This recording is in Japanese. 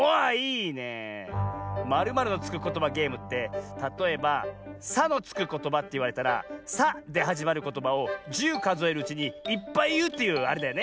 ことばゲームってたとえば「さ」のつくことばっていわれたら「さ」ではじまることばを１０かぞえるうちにいっぱいいうというあれだよね？